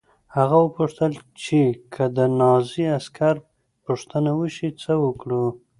هغه وپوښتل چې که د نازي عسکر پوښتنه وشي څه وکړو